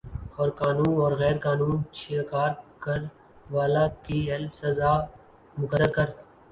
اورقانو اور غیر قانون شکار کر والہ کے ل سزا مقرر کر